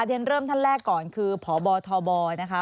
เรียนเริ่มท่านแรกก่อนคือพบทบนะคะ